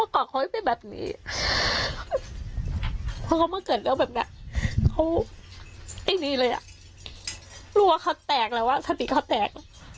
ก็แตกแล้วอะสติก็แตก